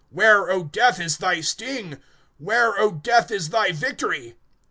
(55)Where, O death, is thy sting? Where, O death, is thy victory?